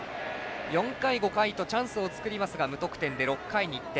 ４回、５回とチャンスを作りますが無得点で６回に１点。